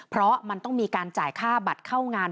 เพราะมันต้องมีการจ่ายค่าบัตรเข้างาน